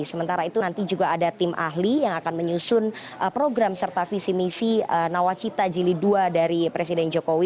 sementara itu nanti juga ada tim ahli yang akan menyusun program serta visi misi nawacita jili dua dari presiden jokowi